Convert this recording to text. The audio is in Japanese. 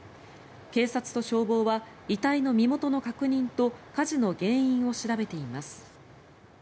警察と消防は遺体の身元の確認と火事の原因を調べています。